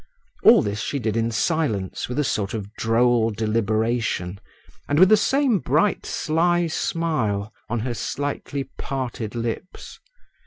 All this she did in silence with a sort of droll deliberation and with the same bright sly smile on her slightly parted lips.